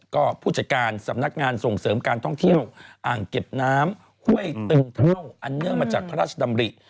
ก็ผู้จัดการสำนักงานส่งเสริมการท่องเที่ยวอ่างเก็บน้ำห้วยตึงเท่าอันเนื่องมาจากพระราชดำริ